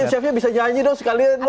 mungkin chefnya bisa nyanyi dong sekalian loh